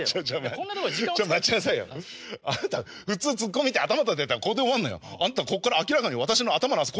あなた普通ツッコミって頭たたいたらここでお終わんのよ。あんたこっから明らかに私の頭の汗